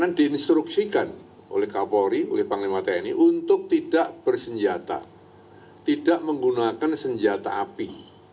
karena diinstruksikan oleh kapolri oleh panglima tni untuk tidak bersenjata tidak menggunakan senjata api